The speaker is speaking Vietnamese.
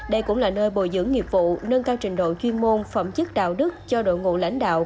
đây cũng là nơi bồi dưỡng nghiệp vụ nâng cao trình độ chuyên môn phẩm chức đạo đức cho đội ngũ lãnh đạo